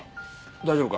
大丈夫か？